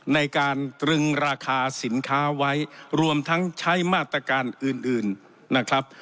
ในการตรึงราคาสินค้าไว้รวมทั้งใช้มาตรการอื่นอื่นนะครับ